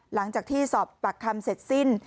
หลังจากที่สอบปากคำเสร็จสิ้น